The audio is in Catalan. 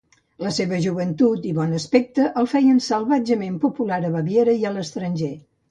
La seva joventut i bon aspecte el feien salvatgement popular a Baviera i a l'estranger.